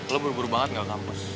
lo buru buru banget gak kampus